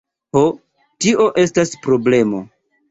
Ho, tio estas problemo!